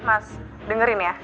mas dengerin ya